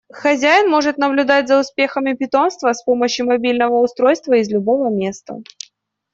Хозяин может наблюдать за успехами питомца с помощью мобильного устройства из любого места.